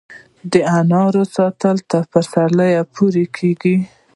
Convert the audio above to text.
د انارو ساتل تر پسرلي پورې کیږي؟